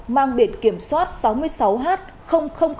mang biển kiểm soát sáu mươi sáu h bốn mươi tám